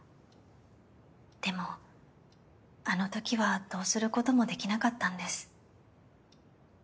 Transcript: でもあのときはどうすることもできなかったんです。